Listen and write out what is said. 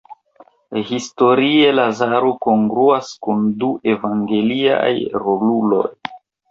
Historie Lazaro kongruas kun du evangeliaj roluloj.